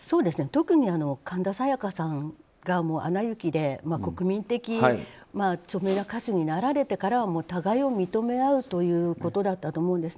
特に神田沙也加さんが「アナ雪」で国民的著名な歌手になられてからは互いを認め合うということだったと思うんです。